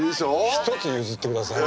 一つ譲ってくださいよ。